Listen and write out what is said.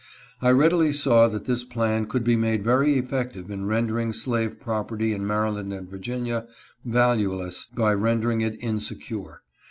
I readily saw that this plan could be made very effective in rendering slave property in Maryland and Virginia valueless by rendering it insecure.